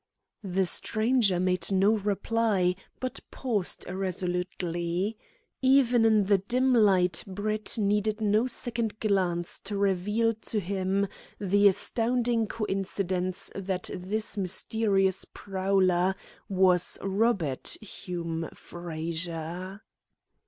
The stranger made no reply, but paused irresolutely. Even in the dim light Brett needed no second glance to reveal to him the astounding coincidence that this mysterious prowler was Robert Hume Frazer.